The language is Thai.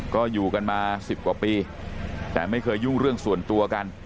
ก็อยู่กันมา๑๐กว่าปีแต่ไม่เคยยุ่งเรื่องส่วนตัวกัน